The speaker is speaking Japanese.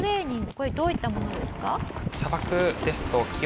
これどういったものですか？